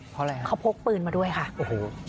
เพราะอะไรครับโอ้โห